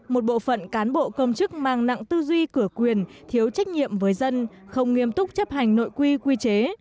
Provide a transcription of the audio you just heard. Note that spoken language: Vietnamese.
một bộ phận cán bộ công chức mang nặng tư duy cửa quyền thiếu trách nhiệm với dân không nghiêm túc chấp hành nội quy quy chế